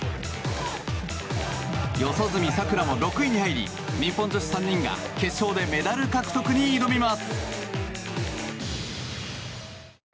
四十住さくらも６位に入り日本女子３人が決勝でメダル獲得に挑みます。